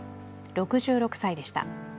６６歳でした。